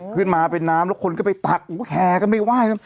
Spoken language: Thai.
ขึ้นมาเป็นน้ำแล้วคนก็ไปตักแห่ก็ไม่ไหว้นะ